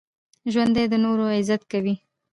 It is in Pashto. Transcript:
ژوندي د نورو عزت کوي